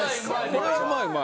これはうまいうまい。